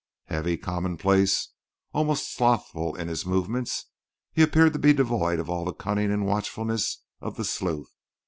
Heavy, commonplace, almost slothful in his movements, he appeared to be devoid of all the cunning and watchfulness of the sleuth.